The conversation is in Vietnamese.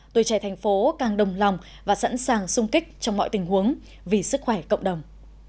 tuổi trẻ thành phố càng đồng lòng và sẵn sàng sung kích trong mọi tình huống vì sức khỏe cộng đồng